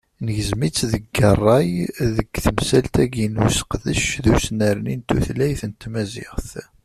Negzem-itt deg ṛṛay deg temsalt-agi n useqdec d usnerni n tutlayt n tmaziɣt.